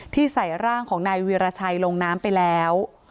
ใส่ร่างของนายวีรชัยลงน้ำไปแล้ว